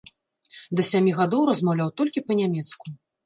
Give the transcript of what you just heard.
Да сямі гадоў размаўляў толькі па-нямецку.